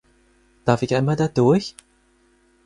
Darf ich einmal da durch?